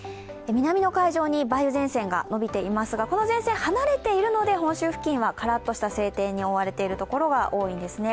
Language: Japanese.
南の海上に梅雨前線がのびていますがこの前線、離れているので、本州付近はからっとした晴天の所が多いんですね。